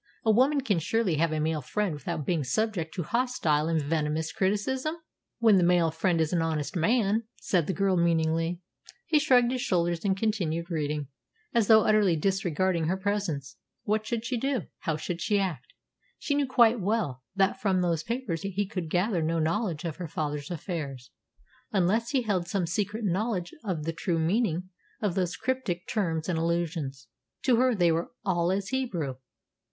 A woman can surely have a male friend without being subject to hostile and venomous criticism?" "When the male friend is an honest man," said the girl meaningly. He shrugged his shoulders and continued reading, as though utterly disregarding her presence. What should she do? How should she act? She knew quite well that from those papers he could gather no knowledge of her father's affairs, unless he held some secret knowledge of the true meaning of those cryptic terms and allusions. To her they were all as Hebrew.